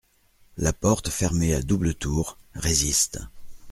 La porte fermée à double tour, résiste.